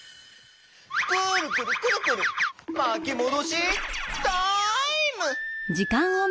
くるくるくるくるまきもどしタイム！